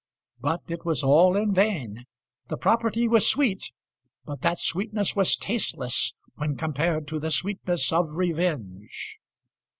But it was all in vain. The property was sweet, but that sweetness was tasteless when compared to the sweetness of revenge.